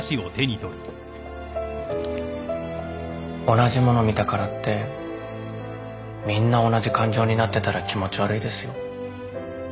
同じもの見たからってみんな同じ感情になってたら気持ち悪いですよ。